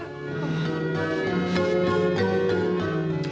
tunggu tunggu tunggu